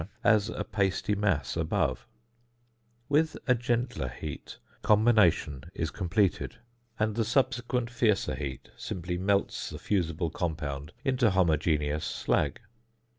as a pasty mass above; with a gentler heat combination is completed, and the subsequent fiercer heat simply melts the fusible compound into homogeneous slag.